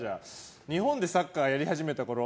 日本でサッカーやり始めたころ